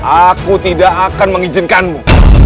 aku tidak akan mengizinkanmu